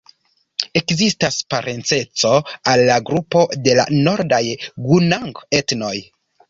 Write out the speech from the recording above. Ekzistas parenceco al la grupo de la nordaj gunang-etnoj.